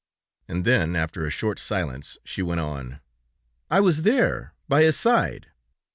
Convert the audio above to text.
And then, after a short silence, she went on: 'I was there... by his side.'